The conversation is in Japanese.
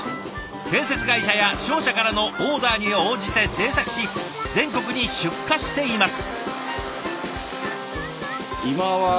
建設会社や商社からのオーダーに応じて製作し全国に出荷しています。